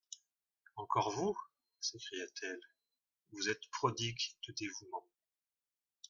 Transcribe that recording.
Encore vous ! s'écria-t-elle ; vous êtes prodigue de dévouement.